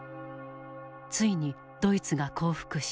ついにドイツが降伏した。